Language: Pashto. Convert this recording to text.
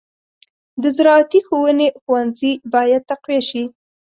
د زراعتي ښوونې ښوونځي باید تقویه شي.